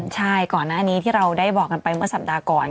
ใช่ก่อนหน้านี้ที่เราได้บอกกันไปเมื่อสัปดาห์ก่อน